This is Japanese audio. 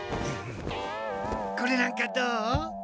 これなんかどう？